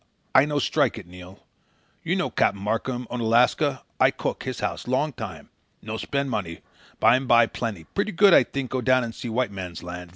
"I no strike it, Neil. You known Cap'n Markheim, Unalaska? I cook, his house, long time. No spend money. Bime by, plenty. Pretty good, I think, go down and see White Man's Land.